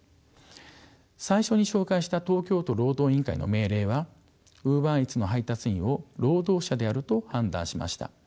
最初に紹介した東京都労働委員会の命令はウーバーイーツの配達員を労働者であると判断しました。